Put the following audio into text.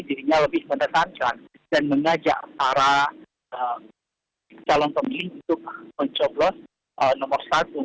dirinya lebih menekankan dan mengajak para calon pemilih untuk mencoblos nomor satu